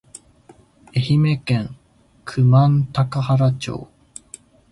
愛媛県久万高原町